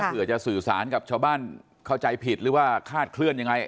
เผื่อจะสื่อสารกับชาวบ้านเข้าใจผิดหรือว่าคาดเคลื่อนยังไง